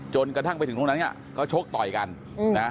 กระทั่งไปถึงตรงนั้นก็ชกต่อยกันนะ